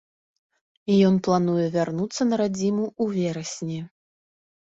Ён плануе вярнуцца на радзіму ў верасні.